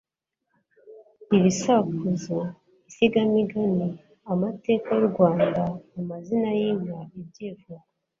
ibisakuzo, insigamigani, amateka y'u Rwanda, amazina y'inka, ibyivugo